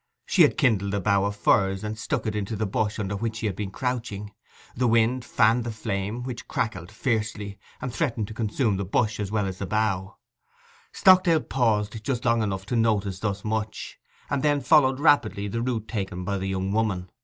She had kindled a bough of furze and stuck it into the bush under which she had been crouching; the wind fanned the flame, which crackled fiercely, and threatened to consume the bush as well as the bough. Stockdale paused just long enough to notice thus much, and then followed rapidly the route taken by the young woman.